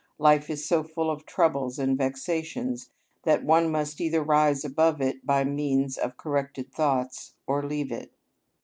_, life is so full of troubles and vexations, that one must either rise above it by means of corrected thoughts, or leave it.